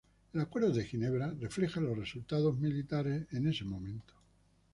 El acuerdo de Ginebra refleja los resultados militares en ese momento.